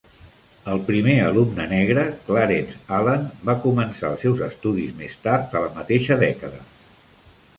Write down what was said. El primer alumne negre, Clarence Allen, va començar els seus estudis més tard la mateixa dècada.